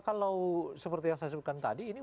kalau seperti yang saya sebutkan tadi ini